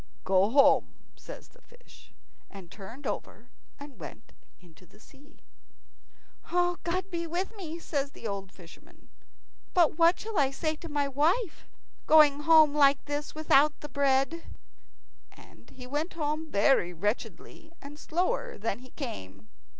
"Go home," says the fish, and turned over and went down into the sea. "God be good to me," says the old fisherman; "but what shall I say to my wife, going home like this without the bread?" And he went home very wretchedly, and slower than he came.